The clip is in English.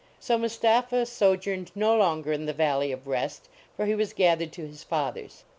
So Mustapha sojourned no longer in the Valley of Rest, for he was gathered to his fathers.